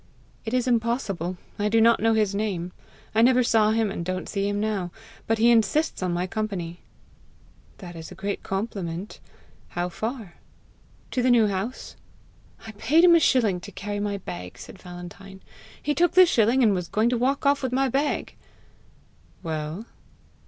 "It is impossible; I do not know his name. I never saw him, and don't see him now. But he insists on my company." "That is a great compliment. How far?" "To the New House." "I paid him a shilling to carry my bag," said Valentine. "He took the shilling, and was going to walk off with my bag!" "Well?"